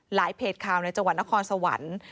หลายเพจข่าวในจวัญนครสวรรค์